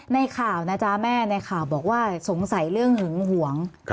ในข่าวนะจ๊ะแม่ในข่าวบอกว่าสงสัยเรื่องหึงหวง